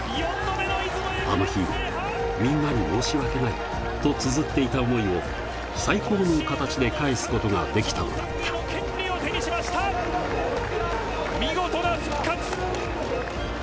あの日、みんなに申し訳ないとつづっていた思いを最高の形で返すことが見事な復活！